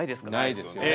ないですよね。